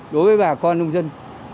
đối với bà con nông dân